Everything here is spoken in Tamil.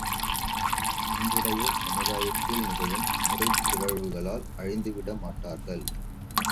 அன்புடையோர் சமுதாயத்தில் நிகழும் முறைப் பிறழ்வுகளால் அழிந்துவிட மாட்டார்கள்.